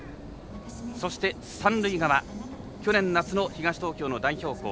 そして三塁側去年夏の東東京の代表校。